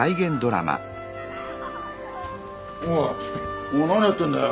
おいお前何やってんだよ。